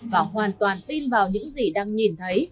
và hoàn toàn tin vào những gì đang nhìn thấy